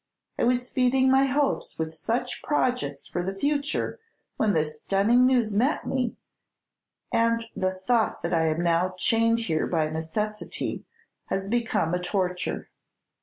I was feeding my hopes with such projects for the future when this stunning news met me, and the thought that I am now chained here by necessity has become a torture."